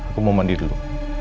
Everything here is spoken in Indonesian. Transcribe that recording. aku mau mandi dulu